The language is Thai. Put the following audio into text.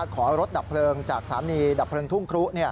ขอรถดับเพลิงจากสถานีดับเพลิงทุ่งครุ